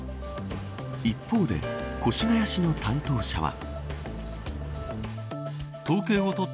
一方で、越谷市の担当者は。